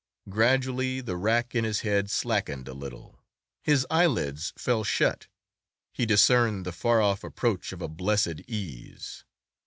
Gradually the rack in his head slackened a little, his eyelids fell shut, he discerned the far off approach of a blessed ease.